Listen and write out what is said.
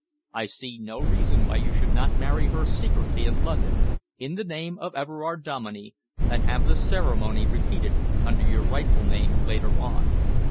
I see no reason why you should not marry her secretly in London, in the name of Everard Dominey, and have the ceremony repeated under your rightful name later on."